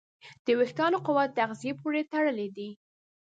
د وېښتیانو قوت د تغذیې پورې تړلی دی.